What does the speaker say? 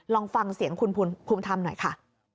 ลองฟังเสียงคุณภูมิธรรมหน่อยค่ะ